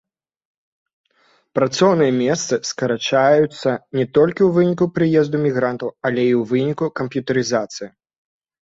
Працоўныя месцы скарачаюцца не толькі ў выніку прыезду мігрантаў, але і ў выніку камп'ютарызацыі.